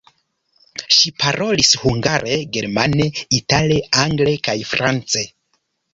Ŝi parolis hungare, germane, itale, angle kaj france.